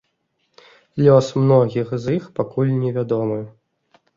Лёс многіх з іх пакуль невядомы.